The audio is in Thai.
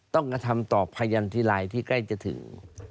ต้องกระทำต่อพยันตรายที่ใกล้จะถึง